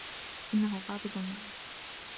إنهُ غاضب معكِ.